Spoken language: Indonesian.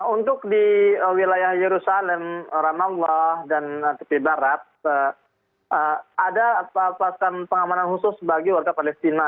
untuk di wilayah yerusalem ramallah dan tepi barat ada pasukan pengamanan khusus bagi warga palestina